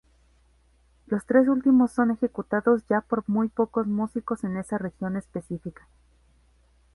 Los tres últimos son ejecutados ya por muy pocos músicos en esa región específica.